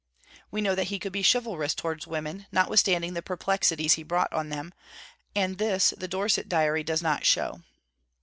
We know that he could be chivalrous toward women, notwithstanding the perplexities he brought on them, and this the Dorset Diary does not show.